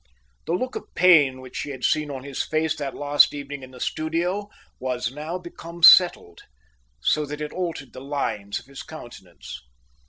The look of pain which she had seen on his face that last evening in the studio was now become settled, so that it altered the lines of his countenance.